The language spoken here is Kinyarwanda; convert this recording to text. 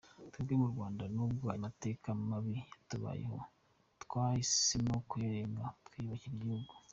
Twebwe mu Rwanda nubwo aya mateka mabi yatubayeho, twahisemo kuyarenga twiyubakira igihugu.